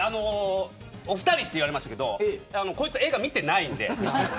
お二人と言われましたけどこいつ映画見てないんで。